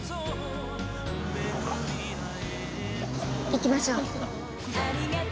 行きましょう。